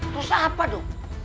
terus apa dong